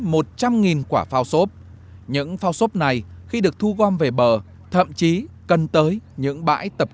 một trăm linh quả phao xốp những phao xốp này khi được thu gom về bờ thậm chí cần tới những bãi tập